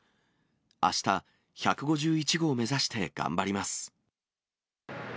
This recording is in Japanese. あした１５１号を目指して頑張ります。